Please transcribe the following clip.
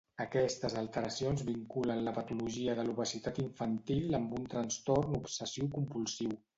Aquestes alteracions vinculen la patologia de l'obesitat infantil amb un trastorn obsessiu-compulsiu.